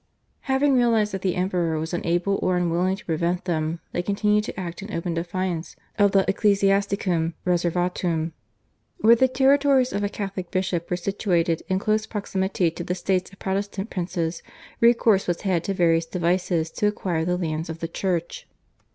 Having realised that the Emperor was unable or unwilling to prevent them they continued to act in open defiance of the /Ecclesiasticam Reservatum/. Where the territories of a Catholic bishop were situated in close proximity to the states of Protestant princes recourse was had to various devices to acquire the lands of the Church.